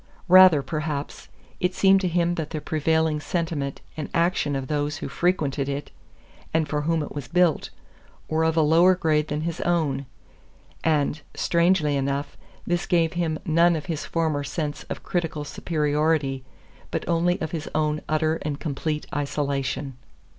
Rather, perhaps, it seemed to him that the prevailing sentiment and action of those who frequented it and for whom it was built were of a lower grade than his own. And, strangely enough, this gave him none of his former sense of critical superiority, but only of his own utter and complete isolation.